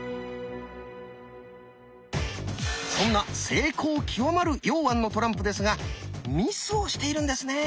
そんな精巧極まる榕菴のトランプですがミスをしているんですね。